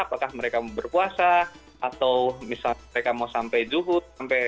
apakah mereka mau berpuasa atau misalnya mereka mau sampai zuhud